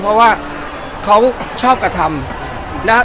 เพราะว่าเขาชอบกระทำนะฮะ